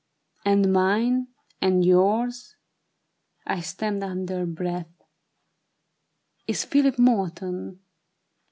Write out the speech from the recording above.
"And mine ?" "And yours," I stammered under breath, " Is Philip Morton."